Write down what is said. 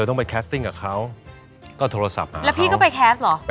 ต้องแคสต์แล้วเขาก็ไม่เอาด้วย